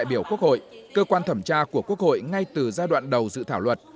đại biểu quốc hội cơ quan thẩm tra của quốc hội ngay từ giai đoạn đầu dự thảo luật